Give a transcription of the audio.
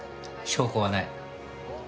証拠はない。